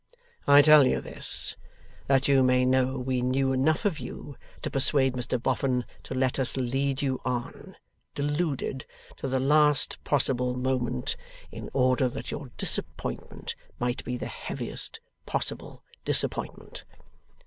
I tell you this, that you may know we knew enough of you to persuade Mr Boffin to let us lead you on, deluded, to the last possible moment, in order that your disappointment might be the heaviest possible disappointment.